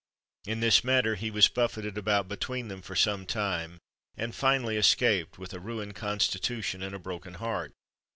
In this manner he was buffeted about between them for some time, and finally escaped, with a ruined constitution and a broken heart.